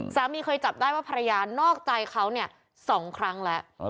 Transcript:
สามีเคยจับได้ว่าภรรยานอกใจเขา๒ครั้งแล้ว